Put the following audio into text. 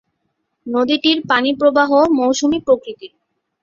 নদীটির পানিপ্রবাহ মৌসুমি প্রকৃতির।